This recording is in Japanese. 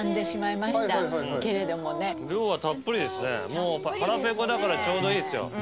もう腹ペコだからちょうどいいですよ。